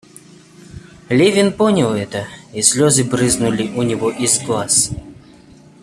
Левин понял это, и слезы брызнули у него из глаз.